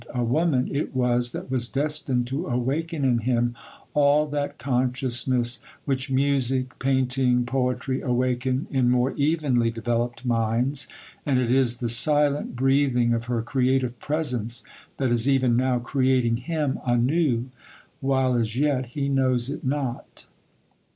A woman it was that was destined to awaken in him all that consciousness which music, painting, poetry awaken in more evenly developed minds; and it is the silent breathing of her creative presence that is even now creating him anew, while as yet he knows it not.